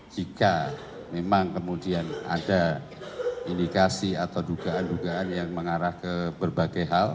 jika memang kemudian ada indikasi atau dugaan dugaan yang mengarah ke berbagai hal